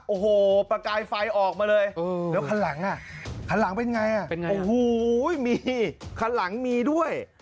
โอ้โหประกายไฟออกมาเลยแล้วคันหลังอ่ะคันหลังเป็นไงโอ้โหมีคันหลังมีด้วย